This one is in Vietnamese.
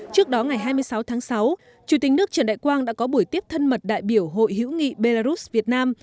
trước đó ngày hai mươi sáu tháng sáu chủ tịch nước trần đại quang đã có buổi tiếp thân mật đại biểu hội hữu nghị belarus việt nam